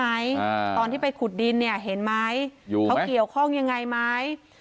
ตอนที่ไปขุดดินเนี่ยเห็นไหมเขาเกี่ยวข้องยังไงไหม